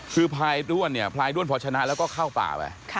คือพลายด้วนเนี่ยพลายด้วนพอชนะแล้วก็เข้าป่าไป